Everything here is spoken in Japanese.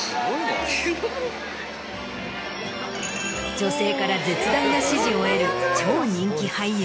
女性から絶大な支持を得る超人気俳優に。